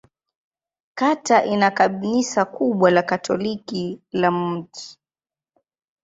Kata ina kanisa kubwa la Katoliki la Mt.